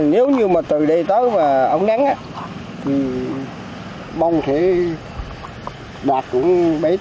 nếu như mà từ đây tới mà ấm nắng á thì bông sẽ đạt cũng bảy tám